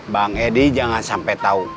bang edi jangan sampai tahu